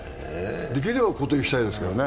できれば固定したいですけどね。